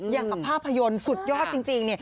อย่างกับภาพยนตร์สุดยอดจริง